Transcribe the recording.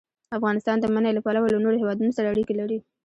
افغانستان د منی له پلوه له نورو هېوادونو سره اړیکې لري.